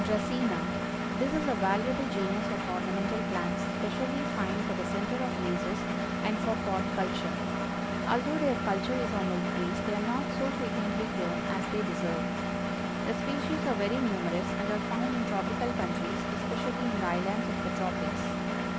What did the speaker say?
DRACÆNA. This is a valuable genus of ornamental plants, specially fine for the center of vases, and for pot culture. Although their culture is on the increase, they are not so frequently grown as they deserve. The species are very numerous, and are found in tropical countries, especially in the islands of the tropics.